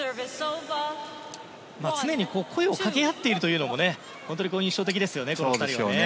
常に声をかけ合っているというのも本当にこの２人は印象的ですよね。